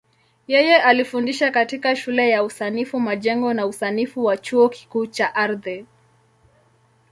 Yeye alifundisha katika Shule ya Usanifu Majengo na Usanifu wa Chuo Kikuu cha Ardhi.